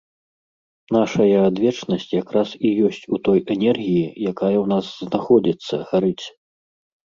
Нашая адвечнасць якраз і ёсць у той энергіі, якая ў нас знаходзіцца, гарыць.